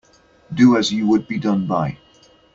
Do as you would be done by.